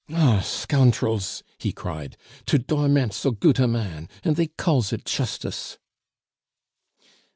"Ah, scountrels!" he cried, "to dorment so goot a man; and they calls it chustice!"